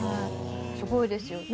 すごいですよね。